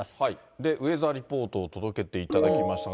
で、ウェザーリポートを届けていただきましたが。